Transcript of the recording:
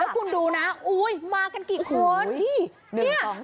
คุณดูนะอุ้ยมากันกี่คน